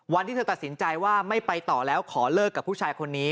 วันที่เธอตัดสินใจว่าไม่ไปต่อแล้วขอเลิกกับผู้ชายคนนี้